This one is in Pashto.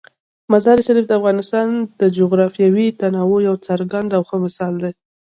مزارشریف د افغانستان د جغرافیوي تنوع یو څرګند او ښه مثال دی.